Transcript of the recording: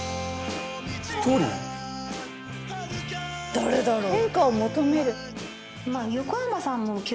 誰だろう？